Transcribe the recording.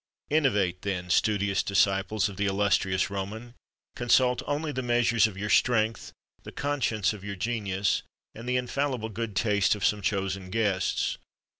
Innovate, then, studious disciples of the illustrious Roman: consult only the measures of your strength, the conscience of your genius, and the infallible good taste of some chosen guests.